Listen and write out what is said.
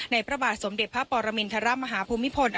พระบาทสมเด็จพระปรมินทรมาฮภูมิพล